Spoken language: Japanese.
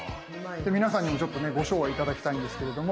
で皆さんにもちょっとねご唱和頂きたいんですけれども。